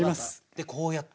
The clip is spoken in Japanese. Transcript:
でこうやって。